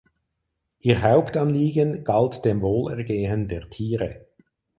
Ihr Hauptanliegen galt dem Wohlergehen der Tiere.